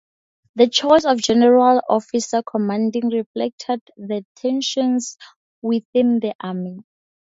The choice of General Officer Commanding reflected the tensions within the army.